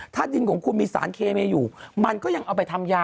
ถ้าดินของคุณมีสารเคมีอยู่มันก็ยังเอาไปทำยา